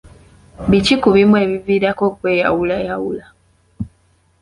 Biki ku bimu ebiviirako okweyawulayawula?